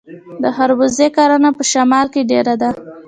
د خربوزې کرنه په شمال کې ډیره ده.